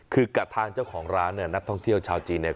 คือกับทางเจ้าของร้านเนี่ยนักท่องเที่ยวชาวจีนเนี่ย